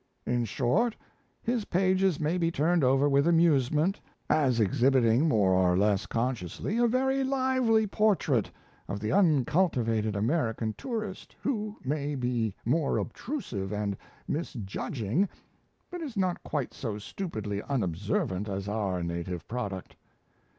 In short, his pages may be turned over with amusement, as exhibiting more or less consciously a very lively portrait of the uncultivated American tourist, who may be more obtrusive and misjudging, but is not quite so stupidly unobservant as our native product.